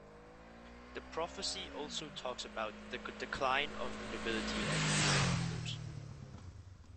The prophecy also talks about the decline of the nobility as real rulers.